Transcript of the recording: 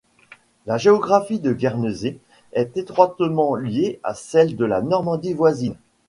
La géographie de Guernesey est étroitement liée à celle de la Normandie voisine.